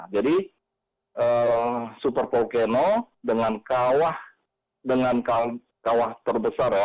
jadi super pokeno dengan kawah terbesar ya